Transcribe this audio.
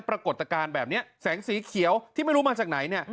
ปรากฏการณ์แบบนี้แสงสีเขียวที่ไม่รู้มาจากไหนเนี่ย